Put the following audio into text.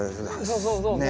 そうそうそうそう。